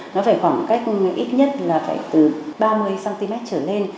nó phải khoảng cách ít nhất là phải từ ba mươi cm trở lên